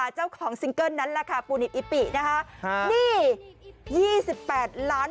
เจ้าของซิงเกิ้ลนั้นแหละค่ะปูนิบอิปปินะคะครับนี่ยี่สิบแปดล้าน